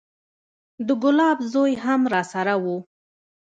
د ګلاب زوى هم راسره و.